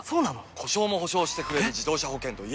故障も補償してくれる自動車保険といえば？